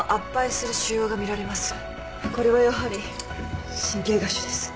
これはやはり神経芽腫です。